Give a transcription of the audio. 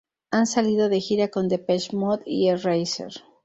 Han salido de gira con Depeche Mode y Erasure.